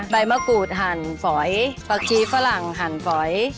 ใบมะกรูดหั่นฝอยผักชีฝรั่งหั่นฝอย